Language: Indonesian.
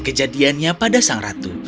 kejadiannya pada sang ratu